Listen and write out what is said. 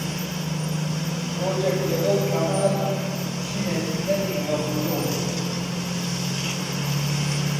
ڕۆژێک لەگەڵ کەمال چووینە دیدەنی غەفوورۆف